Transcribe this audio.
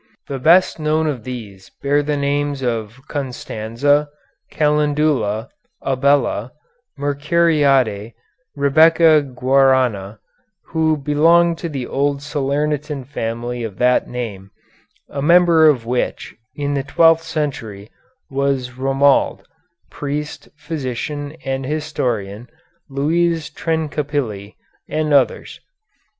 The best known of these bear the names Constanza, Calendula, Abella, Mercuriade, Rebecca Guarna, who belonged to the old Salernitan family of that name, a member of which, in the twelfth century, was Romuald, priest, physician, and historian, Louise Trencapilli, and others.